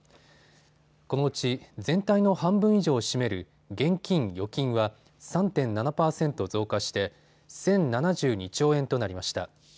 このうち全体の半分以上を占める現金・預金は３．７％増加して１０７２兆円となりました。